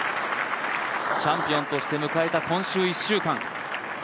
チャンピオンとして迎えた今週１週間。